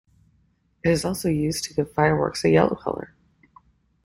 It is also used to give fireworks a yellow color.